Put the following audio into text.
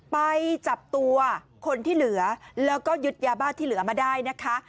ไปจับตัวคนที่เหลือแล้วก็ยึดยาบ้าที่เหลือมาได้นะคะ